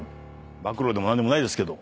暴露でも何でもないですけど。